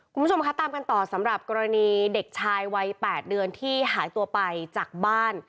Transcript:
คุณผู้ชมคะตามกันต่อสำหรับกรณีเด็กชายวัย๘เดือนที่หายตัวไปจากบ้าน